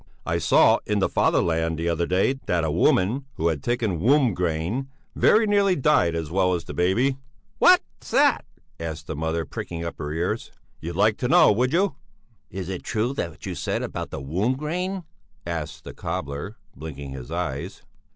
I saw in the 'Fatherland' the other day that a woman who had taken womb grain very nearly died as well as the baby." "What's that?" asked the mother, pricking up her ears. "You'd like to know, would you?" "Is it true what you just said about womb grain?" asked the cobbler, blinking his eyes.